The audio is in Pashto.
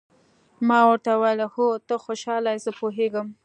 ما ورته وویل: هو، ته خوشاله یې، زه پوهېږم.